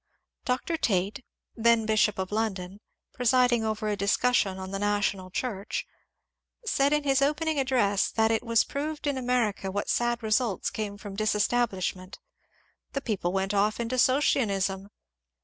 Dr. Tait, then bishop of London, presiding over a discussion on the national Church, said in his opening address that it was proved in America what sad results came from disestablishment, —^^ the people went off into Socinianism."